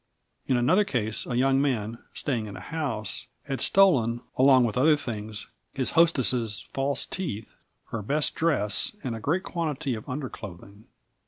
In another case, a young man, staying in a house, had stolen, along with other things, his hostess's false teeth, her best dress and a great quantity of underclothing.